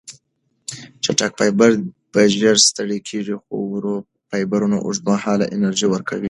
چټک فایبرونه ژر ستړې کېږي، خو ورو فایبرونه اوږدمهاله انرژي ورکوي.